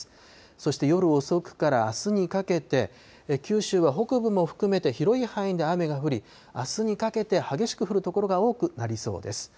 そして夜遅くからあすにかけて、九州は北部も含めて広い範囲で雨が降り、あすにかけて激しく降る所が多くなりそうです。